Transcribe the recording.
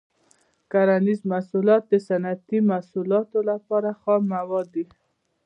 کرنیز محصولات د صنعتي محصولاتو لپاره خام مواد دي.